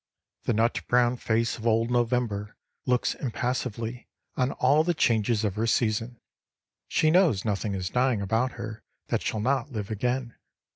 The nut brown face of old November looks impassively on all the changes of her season. She knows nothing is dying about her that shall not live again.